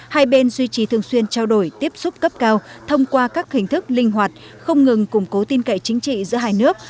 hai bên duy trì thường xuyên trao đổi tiếp xúc cấp cao thông qua các hình thức linh hoạt không ngừng củng cố tin cậy chính trị giữa hai nước